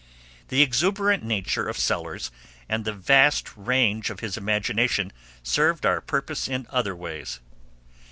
The exuberant nature of Sellers and the vast range of his imagination served our purpose in other ways.